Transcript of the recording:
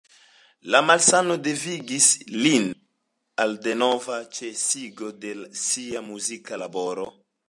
La malsano devigis lin al denova ĉesigo de sia muzika laboro.